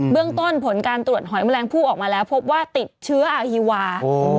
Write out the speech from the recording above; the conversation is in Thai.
เรื่องต้นผลการตรวจหอยแมลงผู้ออกมาแล้วพบว่าติดเชื้ออาฮีวา